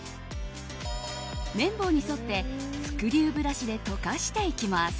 綿棒に沿ってスクリューブラシでとかしていきます。